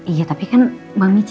iya tapi kan mbak mici